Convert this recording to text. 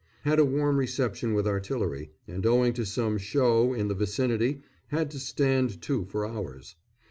Had a warm reception with artillery, and owing to some "show" in the vicinity had to stand to for hours.